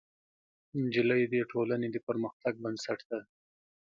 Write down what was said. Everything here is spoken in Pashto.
نجلۍ د ټولنې د پرمختګ بنسټ ده.